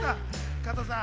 加藤さん。